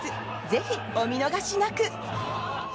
ぜひお見逃しなく。